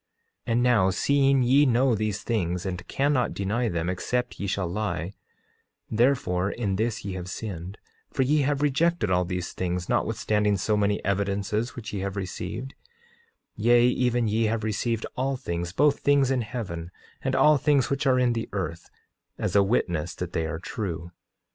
8:24 And now, seeing ye know these things and cannot deny them except ye shall lie, therefore in this ye have sinned, for ye have rejected all these things, notwithstanding so many evidences which ye have received; yea, even ye have received all things, both things in heaven, and all things which are in the earth, as a witness that they are true.